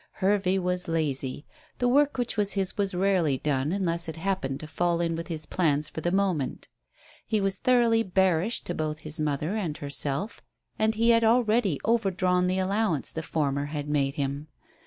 Hervey was lazy. The work which was his was rarely done unless it happened to fall in with his plans for the moment. He was thoroughly bearish to both his mother and herself, and he had already overdrawn the allowance the former had made him.